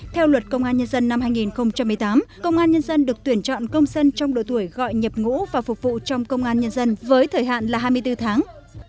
theo luật công an nhân dân năm hai nghìn một mươi tám công an nhân dân được tuyển chọn công dân trong độ tuổi gọi nhập ngũ và phục vụ trong công an nhân dân với thời hạn là hai mươi bốn tháng